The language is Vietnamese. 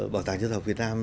bảo tàng dân tộc học việt nam